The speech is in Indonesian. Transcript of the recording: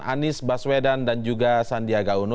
anies baswedan dan juga sandiaga uno